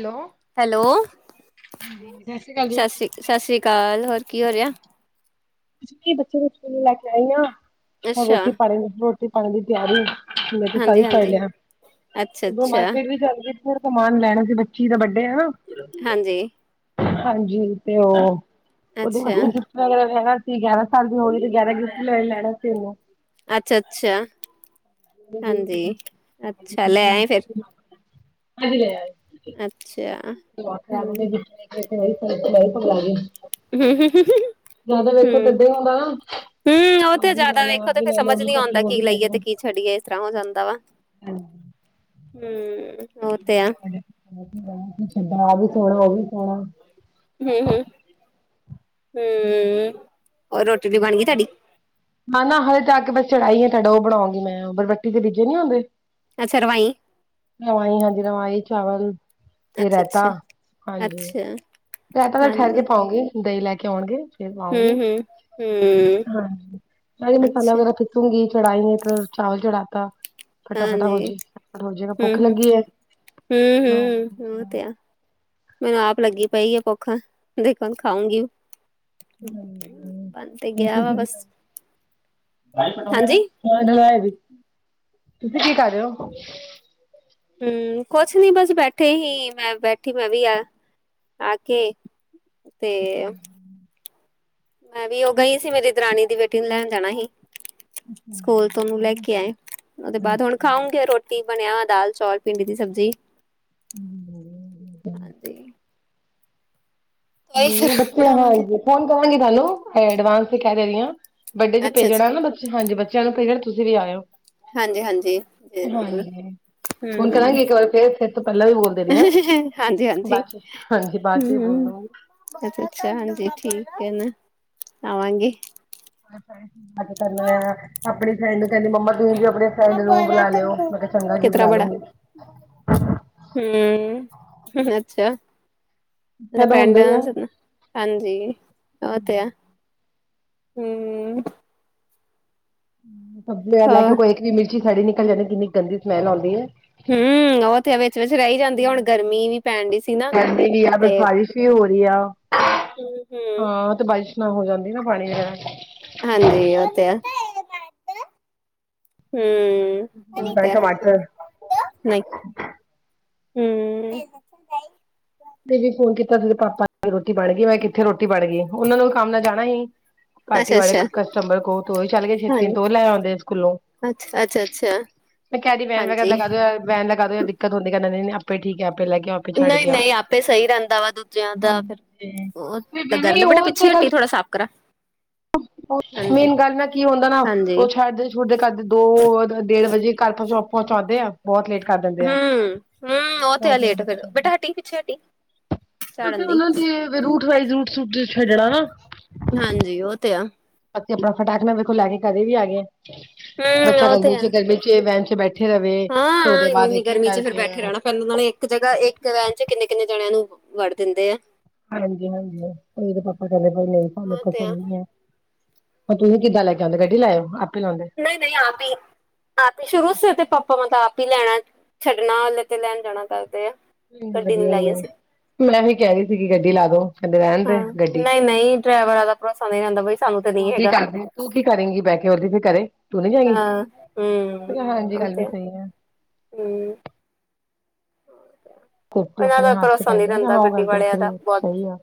Hello hello, ਸਤਿ ਸ਼੍ਰੀ ਅਕਾਲ ਜੀ ਸਸ ਸ੍ਰੀ ਸਸ ਸ੍ਰੀ ਅਕਾਲ, ਹੋਰ ਕੀ ਹੋ ਰੇਆ? ਬੱਚੇ ਨੂੰ ਸਕੂਲ ਲੈਕੇ ਆਈ ਆ ਹੁਣ, ਅੱਛਾ ਰੋਟੀ-ਪਾਣੀ ਦੀ ਰੋਟੀ-ਪਾਣੀ ਦੀ ਤਿਆਰੀ। ਮੈਂ ਤੇ ਸਾਰੀ ਹਾਂਜੀ ਪੜ ਹਾਂਜੀ ਲਿਆ, ਅੱਛਾ ਓ ਅੱਛਾ ਮਾਰਕੀਟ ਵੀ ਚੱਲਦੀ ਫਿਰ ਸਮਾਨ ਲੈਣਾ ਸੀ, ਬੱਚੀ ਤਾਂ ਵੱਡੇ ਐਨਾਂ। ਹਾਂਜੀ। ਹਾਂਜੀ, ਤੇ ਓ ਓਦੇ ਅੱਛਾ [unintelligible] ਕੀ ਗਿਆਰਾਂ ਸਾਲ ਦੀ ਹੋ ਗਈ, ਤੇ ਗਿਆਰਾਂ ਗਿਫਟ ਲੈਣੇ ਮੈਂ। ਅੱਛਾ-ਅੱਛਾ ਹਾਂਜੀ ਅੱਛਾ, ਲੈ ਆਏ ਫੇਰ? ਹੰਜੀ ਲੈ ਆਏ। ਅੱਛਾ। ਹਾਂਜੀ [unintelligible] [unintelligible] ਜ਼ਿਆਦਾ ਵੇਖੋ ਹੂੰ। ਤਦੇ ਹੁੰਦਾ ਨਾ ਹੂੰ, ਆਹ ਓਤੇ ਵੀ ਲੈ ਜਾਦਾ ਲਓ ਆਹ ਵੇਖੋ ਤੇ ਵੀ ਫੇਰ ਲੈ ਲਓ ਉਹ ਸਮਝ ਵੀ ਨੀ ਕਰ ਆਂਦਾ ਲਓ ਉਹ ਕੀ ਵੀ ਲਈਏ ਤੇ ਕੀ ਛੱਡੀਏ ਇਸ ਤਰ੍ਹਾਂ ਹੋ ਜਾਂਦਾ ਵਾ। ਹਾਂ ਹੂੰ। ਛੱਡਣਾ ਆ ਵੀ ਥੋੜਣਾ ਓਵੀ ਥੋਣਾ। ਹੂੰ-ਹੂੰ, ਹੂੰ-ਹੂੰ, ਹੋਰ ਰੋਟੀ ਵੀ ਬਣ ਗਈ ਤੁਆਡੀ? ਹਾਂ ਨਾ ਹਲੇ ਜਾ ਆਕੇ ਬਸ ਚੜਾਈ ਐ ਤੁਆਡਾ ਓ ਬਣਾਂਗੀ ਮੈਂ ਬਰਰੱਟੀ ਦੇ ਬੀਜੇ ਨੀਂ ਹੁੰਦੇ। ਅੱਛਾ ਰਵਾਈਂ? ਰਵਾਈ ਹਾਂਜੀ ਰਵਾਏ ਚਾਵਲ ਤੇ ਅੱਛਾ ਰੈਤਾ, ਅੱਛਾ ਹਾਂਜੀ। ਅੱਛਾ ਰੈਤਾ ਤਾਂ ਫੇਰ ਠੈਰ ਹਾਂਜੀ ਕੇ ਪਾਉਂਗੀ, ਦਈਂ ਲੈ ਕੇ ਆਉਣਗੇ। ਫੇਰ ਪਾਉਂਗੀ, ਹਮ ਹਮ ਹਮ ਹਾਂ ਨਾਲੇ ਮਸਾਲਾ ਅੱਛਾ ਵਗੈਰਾ ਤੂੰਗੀ ਚੜ੍ਹਾਈ ਨੇ ਚਾਵਲ ਚੜ੍ਹਾਤਾ। ਫਟਾਫਟਾ ਹੋ ਹਾਂਜੀ ਜੇ, ਫਟਾਫਟ ਹੋ ਜਾਏਗਾ ਭੁੱਖ ਲੱਗੀਏ। ਹੂੰ-ਹੂੰ, ਓ ਤੇ ਹੈ। ਮੈਨੂੰ ਆਪ ਲੱਗੀ ਪਈਏ, ਭੁੱਖ [unintelligible] ਖਾਉਂਗੀ। [unintelligible] ਗਿਆ ਵਾ ਬਸ ਹਾਂਜੀ [unintelligible] ਤੁਸੀ ਕੀ ਕਰ ਰੇਓ? ਹੂੰ, ਕੋਛ ਨੀ ਬਸ ਬੈਠੇ ਹੀ, ਮੈਂ ਬੈਠੀ ਮੈਂ ਵੀ ਐ ਆਕੇ ਤੇ ਮੈਂ ਵੀ ਯੋਗਾ ਹੀ ਸੀ ਮੇਰੀ ਦਰਾਣੀ ਦੀ ਬੇਟੀ ਨੂੰ ਲੈਣ ਜਾਣਾ ਸੀ। ਸਕੂਲ ਤੋਂ ਓਨੂੰ ਲੈਕੇ ਆਏ ਓਦੇ ਬਾਦ ਹੁਣ ਹਾਂਜੀ ਖਾਉਂਗੇ ਰੋਟੀ। ਰਟੀ ਬਨੇਆ ਦਾਲ-ਚੌਲ, ਭਿੰਡੀ ਦੀ ਸਬਜੀ, ਹਾਂਜੀ। ਉਹੀ ਫਿਰ ਹੂੰ, ਬੱਚੇ ਬਣਾਵਾਂਗੇ [unintelligible] ਫੋਨ ਕਰਾਂਗੀ ਥਾਨੂੰ ਐਡਵਾਂਸ ਤੇ ਕੈ ਦੇਨੀਂ ਆਂ ਬਡੇ ਚ ਅੱਛਾ ਅੱਛਾ ਭੇਜਣਾ ਨਾ ਬੱਚੇ, ਹਾਂਜੀ ਬੱਚੇ। ਚੇਆ ਨੂੰ ਪੇਜ ਤੁਸੀ ਵੀ ਆਯੋ। ਹਾਂਜੀ-ਹਾਂਜੀ, ਜਰੂਰ। ਫੋਨ ਹੂੰ-ਹੂੰ, ਕਰਾਂਗੀ ਇੱਕ ਵਾਰ ਫੇਰ ਫਿਰ ਤੋਂ ਪਹਿਲਾਂ ਵੀ ਬੋਲ ਦੇ ਰਹੀ ਹਾਂ ਹਾਂਜੀ-ਹਾਂਜੀ ਬਾਅਦ ਚ ਹਾਂਜੀ ਬਾਅਦ ਚ ਵੀ ਬੋਲ ਹੂੰ। ਦੂੰਗੀ। ਅੱਛਾ-ਅੱਛਾ ਹਾਂਜੀ, ਠੀਕੈ ਨਾ ਆਵਾਂਗੀ। ਯਦ ਕਰਨਾ ਆ ਅਪਨੀ ਫੈਂਡ ਨੂੰ ਕੈਂਦੀ ਮੰਮਾ ਤੁਸੀ ਵੀ ਅਪਨੀ ਸੈਡ ਲੋਕ ਬੁਲਾ ਲਿਓ, ਮੈਂ ਕੇਆ ਚੰਗਾ ਜੀ ਕਿਤਰਾ ਬੁਲਾ ਬੜਾ ਲੂੰਗੀ। ਹੂੰ, ਅੱਛਾ। ਬੱਚਿਆਂ ਦਾ ਹੁੰਦਾ ਹੀ ਆ ਡਿਪੇਂਡਸ ਹਾਂਜੀ ਓ ਤੇ ਹੈ, ਹੂੰ। ਸਬਜੀ ਲੈਕੇ ਹੋਰ ਕੋਈ ਇੱਕ ਵੀ ਮਿਰਚੀ ਸੜੀ ਨਿਕਲ ਜਾਂਣੀ, ਕਿੰਨੀ ਗੰਦੀ ਸਮੈਲ ਆਉਂਦੀਏ। ਹੂੰ। ਓ ਤੇ ਹੈ ਵਿਚ-ਵਿਚ ਰੈ ਜਾਂਦੀ ਆ ਹੁਣ, ਗਰਮੀ ਵੀ ਪੈਣ ਡਈ ਸੀ ਨਾ ਗਰਮੀ ਵੀ ਆ ਤੇ ਬਾਰਿਸ਼ ਵੀ ਹੋ ਰਹੀ ਆ ਹੂੰ। ਹਾਂ ਤੇ ਬੱਸ ਹੋ ਜਾਂਦੀ ਨਾ ਪਾਣੀ ਵਗੈਰਹ। ਹਾਂਜੀ, ਓ ਤੇ ਹੈ। ਹੂੰ, ਓ ਬੈਂ ਤੇ ਹੈ। ਟਮਾਟਰ ਨਈ ਹੂੰ। [inaudible] ਤੇ ਵੀ ਫੋਨ ਕੀਤਾ ਤਦੇ ਪਾਪਾ ਰੋਟੀ ਬਣ ਗਈ। ਮੈਂ ਕਿੱਥੇ ਰੋਟੀ ਬਣ ਗਈ ਓਨਾ ਨੂੰ ਵੀ ਕੰਮ ਨਾਲ ਜਾਣਾ ਹੀ। ਪਾਰਟੀ ਵਾਲੇ ਅੱਛਾ-ਅੱਛਾ ਕਸਟਮਬਰ ਕੋ ਤੂੰ ਵੀ ਚੱਲ ਗਏ ਛੇਤੀ ਹਾਂਜੀ ਦੋ ਈ ਲੈ ਆਂਦੇ ਸਕੂਲੋਂ। ਅੱਛਾ-ਅੱਛਾ-ਅੱਛਾ ਮੈਂ ਕਦੀ ਵੈਨ ਵਗੈਰਾ ਹਾਂਜੀ ਲਗਾ ਦੋ। ਵੈਨ ਲਗਾਦੋ ਯਾਰ ਦਿੱਕਤ ਹੁੰਦੀ, ਕੈਦਾ ਨੀ ਆਪੇ ਠੀਕ ਐ ਆਪ ਲੈ ਕੇ ਆਪੇ ਛੱਡ ਕੇ ਆਓ ਨਈਂ-ਨਈਂ ਆਪੇ ਸਈ ਰੈਂਦਾ ਵਾ। ਜਾਦਾ ਫੇਰ ਹਾਂਜੀ ਵੀ [unintelligible] ਨਹੀਂ ਬੇਟਾ ਉਹ ਪਿੱਛੇ ਤੇ ਗੱਲ ਹੱਟੀ ਥੋੜ੍ਹਾ ਸਾਫ ਕਰਾ। ਹਾਂਜੀ ਮੇਨ ਗੱਲ ਨਾਂ ਕੀ ਹੁੰਦਾ ਨਾ ਹਾਂਜੀ ਓ ਛੱਡ ਤੁ ਦੇ ਘਰਦੇ ਦੋ ਡੇਢ ਵਜੇ ਘਰ ਪਹ ਪਹੁੰਚਾਉਂਦੇ ਆ। ਬੋਤ ਲੇਟ ਕਰ ਦਿੰਦੇ। ਆ ਹੂੰ-ਹੂੰ, ਓ ਤੇ ਆ ਬਹੁਤ ਲੇਟ ਜਾਂਦੇ ਫੇਰ ਬੇਟਾ ਹਟੀ ਪਿੱਛੇ ਹਟੀ। ਫਿਰ ਝਾੜਨ ਦੀ ਉਹਨਾ ਦੇ ਰੂਟ ਵਾਈਜ ਰੂਟ ਛੱਡਣਾ ਨਾ। ਹਾਂਜੀ ਉਹ ਤੇ ਆ ਤੇ ਆਪਣਾ ਫਟਾਕ ਨਾ ਵੇਖੋ ਲੈ ਕੇ ਘਰੇ ਵੀ ਆ ਗੀ। ਹੂੰ ਬੱਚਾ ਉਹ ਤੇ ਗਰਮੀ ਆ 'ਚ ਗਰਮੀ ਚ ਵੈਨ ਚ ਬੈਠੇ ਰਵੇ ਤੇ ਹਾਂ ਉਹਦੇ ਬਾਅਦ ਇੰਨੀ-ਇੰਨੀ ਇੱਕ ਇੱਕ ਗਰਮੀ 'ਚ ਫਿਰ ਕਰਕੇ ਬੈਠੇ ਰਹਿਣਾ ਪੈਨੂੰ ਨਾਲੇ ਇੱਕ ਜਗ੍ਹਾ, ਇੱਕ ਲੇਨ 'ਚ ਕਿੰਨੇ- ਕਿੰਨੇ ਜਣਿਆਂ ਨੂੰ, ਵਾੜ ਦਿੰਦੇ ਐ। ਹਾਂਜੀ-ਹਾਂਜੀ ਉਈ ਅਦੇ ਪਾਪਾ ਕਹਿੰਦੇ, ਭਾਈ ਨਈ ਸਾਨੂੰ, ਉਹ ਤੇ ਖਤਮ ਆ ਹੋ ਗਿਆ। ਤੁਸੀਂ ਕਿਦਾ ਲੈ ਕੇ ਆਦੇ, ਗੱਡੀ ਲੈ ਆਓ ਆਪੇ ਲਾਉਂਦੇ। ਨਈ-ਨਈ ਆਪ ਈ ਆਪ ਈ ਸ਼ੁਰੂ ਸੀ, ਤੇ ਪਾਪਾ ਮੈਂ ਤੇ ਆਪ ਹੀ ਲੈਣਾ, ਛੱਡਣਾ ਤੇ ਲੈਣ ਜਾਣਾ ਕਰਦੇ ਆ। ਹਾਂਜੀ ਗੱਡੀ ਨੀ ਵਧੀਆ ਹੀ ਲਾਈ ਆ, ਅਸੀਂ ਮੈਂ ਵੀ ਕਹਿ ਰਹੀ ਸੀਗੀ ਗੱਡੀ ਲਾ ਦੋ। ਕਹਿੰਦੇ ਰਹਿਣ ਦੇ ਹਾਂ, ਗੱਡੀ ਨਈ-ਨਈ ਡਰਾਈਵਰਾਂ ਦਾ ਭਰੋਸਾ ਨਈ ਰਹਿੰਦਾ ਬਈ ਸਾਨੂੰ ਤੇ ਨਈ ਤੂੰ ਕੀ ਹੈਗਾ। ਕਰਦੀ ਤੂੰ ਕੀ ਕਰੇਗੀ ਬਹਿ ਕੇ ਹੋਰ ਕਿਸੇ ਘਰੇ, ਤੂੰ ਨਈ ਜਾਏਗੀ, ਹਾਂ ਹੂੰ ਹਾਂਜੀ ਉਹ ਗੱਲ ਵੀ ਤੇ ਸਹੀ ਆ। ਹੂੰ ਰੋਟੀ ਇਹਨਾਂ ਆਪਣੇ ਦਾ ਹੱਥ 'ਚ ਭਰੋਸਾ ਨਹੀਂ ਪੈਂਦੀ ਮੈਂ ਕਿਹਾ ਰਹਿੰਦਾ ਹਾ ਉਹ ਗੱਡੀ ਗੱਲ ਤੇ ਵਾਲਿਆਂ ਦਾ ਵੱਖਰੀ, ਬਹੁਤ ਸਹੀ ਐ।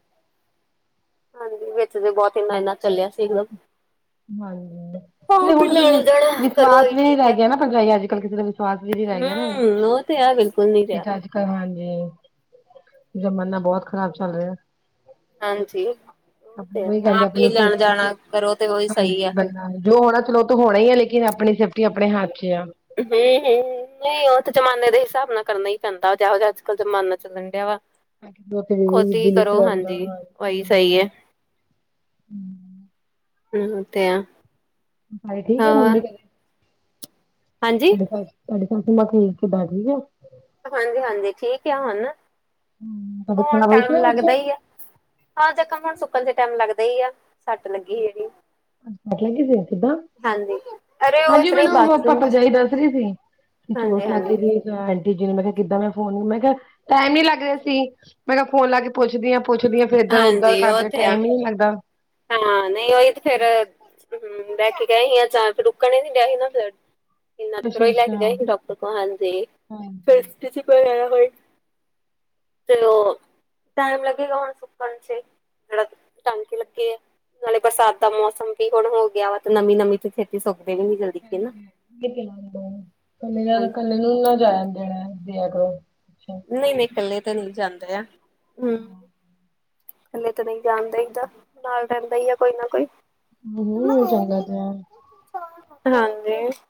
ਹਾਂਜੀ ਵਿੱਚ ਤੇ ਬਹੁਤ ਇੰਨਾ-ਇੰਨਾ ਚੱਲਿਆ ਸੀਗਾ। ਹਾਂਜੀ, ਨਈ ਹੁਣ ਕਿਸੇ ਤੇ ਲੈਣ ਦੇਣਾ ਕਰੋ ਵਿਸ਼ਵਾਸ ਹੀ ਵੀ ਨੀ ਠੀਕ ਰਹਿ ਆ ਗਿਆ ਨਾ ਪਰਜਾਈ ਅੱਜ ਕੱਲ ਕਿਸੇ ਦਾ ਸਵਾਸ ਵਿਧੀ ਲੈ ਗਿਆ ਨਾ, ਹਮ ਉਹ ਤੇ ਹੈ ਬਿਲਕੁਲ ਨੀ ਇਹ ਰਿਹਾ ਤਾਂ ਅੱਜ ਹਾਂਜੀ, ਜ਼ਮਾਨਾ ਬਹੁਤ ਖ਼ਰਾਬ ਚੱਲ ਰਿਹਾ। ਹਾਂਜੀ, ਉਹ ਤੇ ਹੈ, ਉਹੀ ਕਹਿੰਦੇ ਆਪ ਹੀ ਆਪਣੀ ਸੇ ਲੈਣ ਜਾਣਾ ਕਰੋ ਤੇ ਸਹੀ ਹਾਂਜੀ ਆ ਬਲਾ, ਜੋ ਹੋਣਾ ਚਲੋ ਉਹ ਤਾਂ ਹੋਣਾ ਹੀ ਆ, ਲੇਕਿਨ ਆਪਣੀ ਸੇਫਟੀ ਆਪਣੇ ਹੱਥ 'ਚ ਆ। ਹੂੰ-ਹੂੰ, ਨਈ ਉਹ ਤੇ ਜ਼ਮਾਨੇ ਦੇ ਹਿਸਾਬ ਨਾਲ ਕਰਨਾ ਈ ਪੈਂਦਾ ਜਿਹੋ ਜਿਹਾ ਅੱਜ ਕੱਲ੍ਹ ਜ਼ਮਾਨਾ ਚੱਲਣ ਡਿਆ ਵਾ। ਖੁਦ ਈ ਕਰੋ ਹਾਂਜੀ, ਉਹੀ ਸਹੀ ਏ। ਹੂੰ-ਹੂੰ ਤੇ ਐ। ਹੋਰ ਠੀਕ ਐ ਮੰਮੀ ਘਰੇ। ਹਾਂਜੀ ਤੁਹਾਡੇ ਘਰ, ਤੁਹਾਡੇ ਘਰ ਤੇ ਮੰਮਾ ਠੀਕ ਏ ਬਾ ਠੀਕ ਏ। ਹਾਂਜੀ-ਹਾਂਜੀ ਠੀਕ ਐ ਹੁਣ। ਤਬੀਅਤ ਥੋੜ੍ਹਾ ਖਰਾਬ ਹੋਈ ਟਾਈਮ ਸੀ ਲੱਗਦਾ ਬੱਚੇ ਈ ਆ। ਹਾਂ, ਜਕਮ ਹੁਣ ਸੁੱਕਣ 'ਚ ਟਾਈਮ ਲੱਗਦਾ ਹੀ ਆ, ਸੱਟ ਲੱਗੀ ਜਿਹੜੀ। ਹਾਂਜੀ ਸੱਟ ਲੱਗ ਗ਼ੀ ਸੀ, ਕਿੱਦਾਂ? ਹਾਂਜੀ ਅਰੇ ਉਹ ਇਸ ਹਾਂਜੀ ਤਰ੍ਹਾਂ ਹੀ ਮੈਨੂੰ ਮੋਂਕਾ ਬਾਥਰੂਮ ਚ ਭਰਜਾਈ ਦੱਸ ਰਹੀ ਸੀ, ਕਿ ਹਾਂਜੀ ਚੋਟ ਲੱਗ ਹਾਂਜੀ ਗਈ ਸੀ। ਆਂਟੀ ਜੀ ਨੂੰ ਮੈਂ ਕਿਹਾ ਕਿੱਦਾਂ ਮੈਂ ਫੋਨ ਮੈਂ ਕਿਹਾ, ਟਾਈਮ ਨੀ ਲੱਗ ਰਿਹਾ ਸੀ, ਮੈਂ ਕਿਹਾ ਫੋਨ ਲਾ ਕੇ ਪੁੱਛਦੀ ਆਂ ਪੁੱਛਦੀ ਆਂ ਫੇਰ ਇੱਧਰ ਉਦਾ ਹਾਂਜੀ ਉਹ ਕਰਦੇ ਤੇ ਆ ਟਾਈਮ ਈ ਨੀ ਲੱਗਦਾ। ਹਾਂ ਨਈ ਉਹੀ ਤੇ ਫੇਰ ਹੂੰ ਬਹਿ ਕੇ ਗਏ ਸੀ ਅਚਾਨਕ ਰੁੱਕਣ ਹੀ ਨੀ ਡਿਆ ਸੀ ਨਾ ਬਲੱਡ। ਇਹਨਾਂ ਤੇ ਅੱਛਾ ਘਰੋਂ ਹੀ ਲੈ ਅੱਛਾ ਕੇ ਗਏ ਸੀ ਡਾਕਟਰ ਕੋਲ ਹਾਂਜੀ, ਹਾਂਜੀ [unintelligible] ਤੇ ਉਹ, ਟਾਈਮ ਲੱਗੇਗਾ ਹੁਣ ਸੁੱਕਣ 'ਚ, ਜਿਹੜਾ ਟਾਂਕੇ ਲਗੇ ਕਿ, ਨਾਲੇ ਬਰਸਾਤ ਦਾ ਮੌਸਮ ਵੀ ਹੁਣ ਹੋ ਗਿਆ ਵਾ ਤੇ ਨਮੀਂ-ਨਮੀਂ 'ਚ ਛੇਤੀ ਸੁੱਕਦੇ ਵੀ ਨੀ ਜਲਦੀ। ਕੇ ਨਾ ਇਕੱਲੇ ਹਾਂਜੀ ਨੂੰ ਨਾ ਜਾਣ ਦੇਣਾ, ਦਿਆ ਕਰੋ। ਨਈ-ਨਈ ਕੱਲੇ ਤਾਂ ਨਈ ਜਾਂਦੇ ਆ, ਹੂੰ। ਕੱਲੇ ਤੇ ਨਈ ਜਾਣ ਦੇਈ ਦਾ, ਨਾਲ ਰਹਿੰਦਾ ਈ ਆ ਕੋਈ ਨਾ ਕੋਈ। [unintelligible] ਹਾਂਜੀ